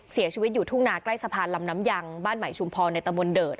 เสียชีวิตอยู่ทุ่งนาใกล้สะพานลำน้ำยังบ้านใหม่ชุมพรในตะบนเดิด